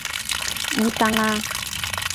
伊桑拉。